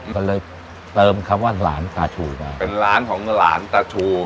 ก็เลยเติมคำว่าหลานตาชูนะเป็นหลานของหลานตาชู